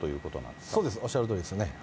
そうです、おっしゃるとおりですね。